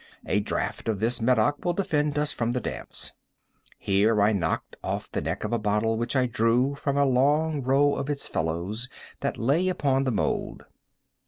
A draught of this Medoc will defend us from the damps." Here I knocked off the neck of a bottle which I drew from a long row of its fellows that lay upon the mould.